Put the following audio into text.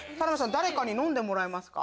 誰かに飲んでもらいますか？